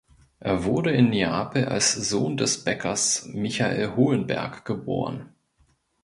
Er wurde in Neapel als Sohn des Bäckers Michael Hohenberg geboren.